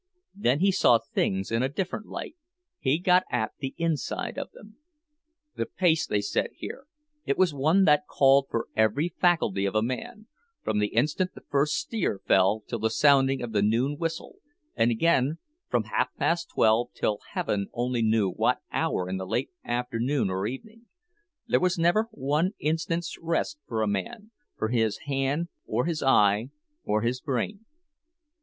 Then he saw things in a different light, he got at the inside of them. The pace they set here, it was one that called for every faculty of a man—from the instant the first steer fell till the sounding of the noon whistle, and again from half past twelve till heaven only knew what hour in the late afternoon or evening, there was never one instant's rest for a man, for his hand or his eye or his brain.